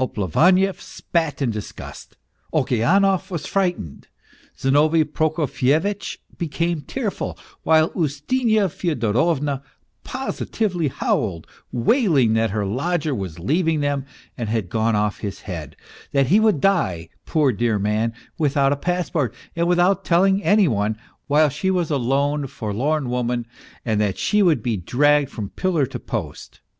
Oplevaniev spat in disgust, Okeanov was frightened, Zinovy Prokofyevitch became tearful, while Ustinya Fyodorovna positively howled, wailing that her lodger was leaving them and had gone off his head, that he would die, poor dear man, without a passport and without telling any one, while she was a lone, lorn woman and that she would be dragged from pillar to post.